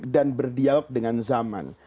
dan berdialog dengan zaman